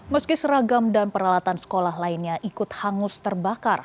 meski seragam dan peralatan sekolah lainnya ikut hangus terbakar